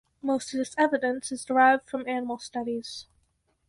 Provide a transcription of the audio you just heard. Most of this evidence is derived from animal studies.